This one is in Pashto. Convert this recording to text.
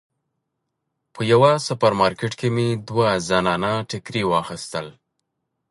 په یوه سوپر مارکیټ کې مې دوه زنانه ټیکري واخیستل.